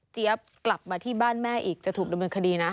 เจี๊ยปกลับมาบ้านแม่อีกจะถูกโดยบริคดีนะ